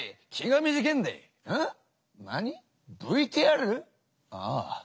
ＶＴＲ？ああ